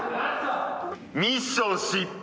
ミッション失敗。